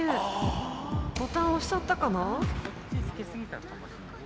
ボタン押しちゃったかな？